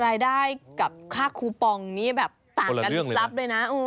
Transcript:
รายได้กับค่าคูปองนี้แบบต่างกันลึกลับเลยนะ